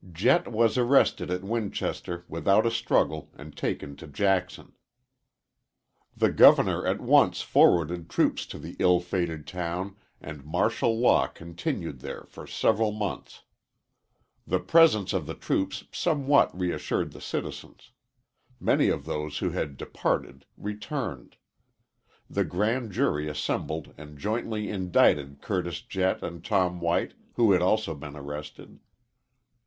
Jett was arrested at Winchester without a struggle and taken to Jackson. The Governor at once forwarded troops to the ill fated town and martial law continued there for several months. The presence of the troops somewhat reassured the citizens. Many of those who had departed returned. The grand jury assembled and jointly indicted Curtis Jett and Tom White, who had also been arrested.